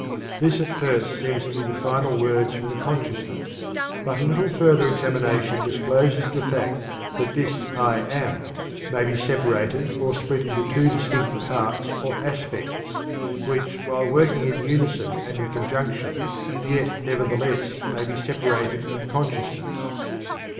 This at first seems to be the final words from the consciousness, but a little further examination discloses the fact that this "I Am" may be separated or split into two distinct parts, or aspects, which while working in unison and in conjunction, yet, nevertheless, may be separated in consciousness.